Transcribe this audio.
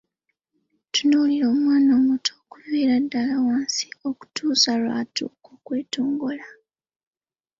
Tunuulira omwana omuto, okuviira ddala wansi, okutuusa lwatuuka okwetongola.